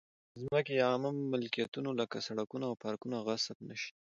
د ځمکې یا عامه ملکیتونو لکه سړکونه او پارکونه غصب نه شي.